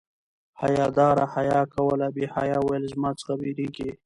حیا دار حیا کوله بې حیا ویل زما څخه بيریږي